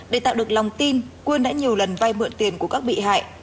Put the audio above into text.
để tạo được lòng tin quyên đã nhiều lần vay mượn tiền của các bị hại